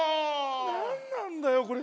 なんなんだよこれ。